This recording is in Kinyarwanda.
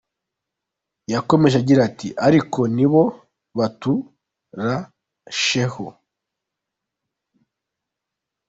Yakomeje agira ati “Ariko ni bo baturasheho.